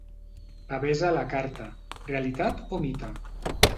Bebès a la carta: realitat o mite?